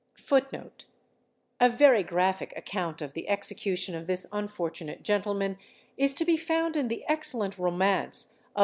A very graphic account of the execution of this unfortunate gentleman is to be found in the excellent romance of M.